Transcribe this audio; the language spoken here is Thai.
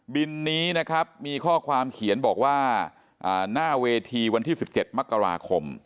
บินนี้นะครับมีข้อความเขียนบอกว่าหน้าเวทีวันที่๑๗มกราคม